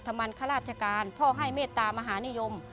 มันข้าราชการพ่อให้เมตตามหานิยม